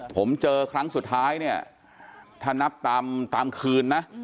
ผมเจอครั้งสุดท้ายเนี่ยถ้านับตามคืนนะ